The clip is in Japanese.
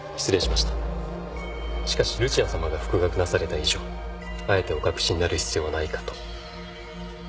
しかしルチアさまが復学なされた以上あえてお隠しになる必要はないかと。